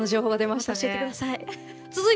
また教えてください。